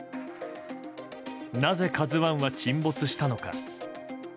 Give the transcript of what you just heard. なぜ「ＫＡＺＵ１」は沈没したのか。